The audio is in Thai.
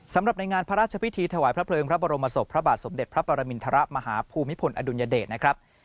ในงานพระราชพิธีถวายพระเพลิงพระบรมศพพระบาทสมเด็จพระปรมินทรมาฮภูมิพลอดุลยเดชนะครับ